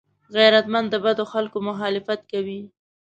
غیرتمند د بدو خلکو مخالفت کوي